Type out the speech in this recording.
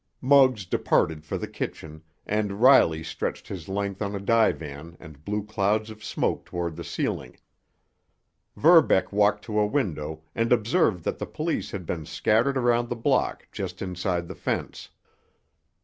Muggs departed for the kitchen, and Riley stretched his length on a divan and blew clouds of smoke toward the ceiling. Verbeck walked to a window and observed that the police had been scattered around the block just inside the fence.